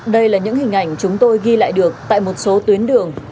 đây là những hình ảnh chúng tôi ghi lại được tại một số tuyến đường